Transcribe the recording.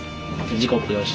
時刻よし！